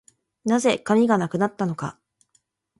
何故、紙がなくなったのか